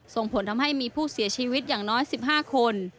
ส่งผลทำให้มีผู้เสียชีวิตอย่างน้อย๑๕คน